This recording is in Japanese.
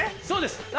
そうです。